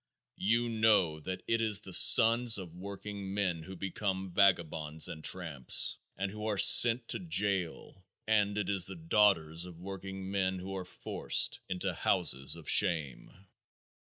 You know that it is the sons of workingmen who become vagabonds and tramps, and who are sent to jail, and it is the daughters of workingmen who are forced into houses of shame.